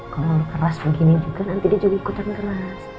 kalau keras begini juga nanti dia juga ikutan keras